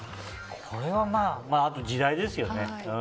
これはあとは時代ですよね。